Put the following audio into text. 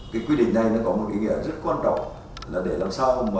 các doanh nghiệp vừa và nhỏ của việt nam